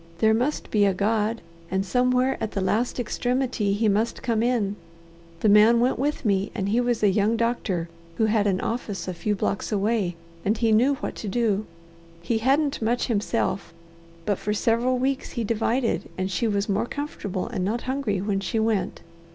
"There must be a God, and somewhere at the last extremity He must come in. The man went with me, and he was a young doctor who had an office a few blocks away, and he knew what to do. He hadn't much himself, but for several weeks he divided and she was more comfortable and not hungry when she went.